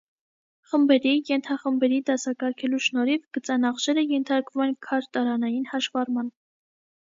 Խմբերի, ենթախմբերի դասակարգելու շնորհիվ գծանախշերը ենթարկվում են քարտարանային հաշվառման։